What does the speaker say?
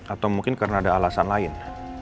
atau mungkin karena ada alasan lain